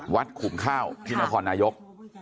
ขุมข้าวที่นครนายก